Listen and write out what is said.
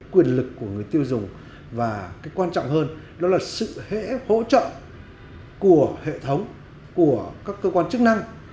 quyền lực của người tiêu dùng và quan trọng hơn là sự hỗ trợ của hệ thống của các cơ quan chức năng